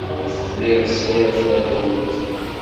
Lliɣ sriɣ tallunt.